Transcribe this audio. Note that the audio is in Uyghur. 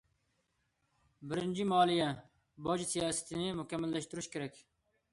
بىرىنچى، مالىيە- باج سىياسىتىنى مۇكەممەللەشتۈرۈش كېرەك.